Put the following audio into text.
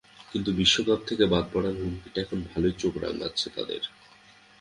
কিন্তু বিশ্বকাপ থেকে বাদ পড়ার হুমকিটা এখন ভালোই চোখ রাঙাচ্ছে তাদের।